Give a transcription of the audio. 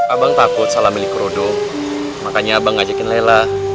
abang takut salah beli kerudung makanya abang ngajakin laila